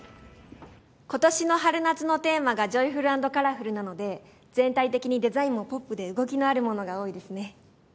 今年の春夏のテーマが「ジョイフルアンドカラフル」なので全体的にデザインもポップで動きのあるものが多いですね。